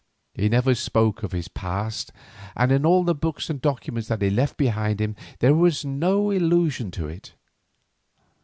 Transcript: He never spoke of his past, and in all the books and documents that he left behind him there is no allusion to it.